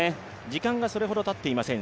時間がそれほどたっていません。